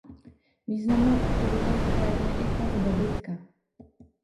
Významnou aktivitou v kraji je i chov dobytka.